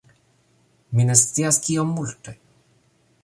Mi ne scias kiom multe